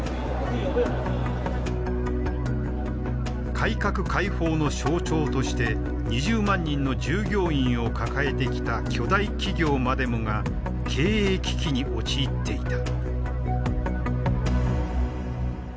改革開放の象徴として２０万人の従業員を抱えてきた巨大企業までもが経営危機に陥っていた。